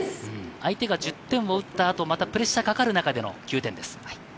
相手が１０点を撃ったあと、プレッシャーがかかる中での９点です。